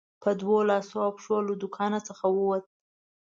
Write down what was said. په دوو لاسو او پښو له دوکان څخه ووت.